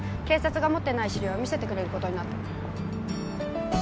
警察が持ってない資料見せてくれることになったの。